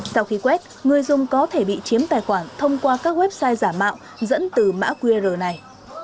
sau khi quét người dùng có thể bị chiếm tài khoản thông qua các website giả mạo dẫn từ mã qr này